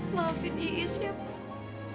maafin iis ya pak